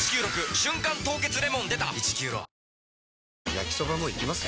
焼きソバもいきます？